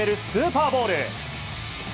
スーパーボウル。